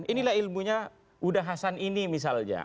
inilah ilmunya udah hasan ini misalnya